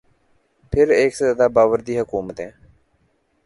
پھر ایک سے زیادہ مرتبہ باوردی حکومتیں۔